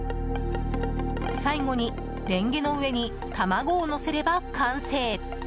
最後にレンゲの上に卵をのせれば完成。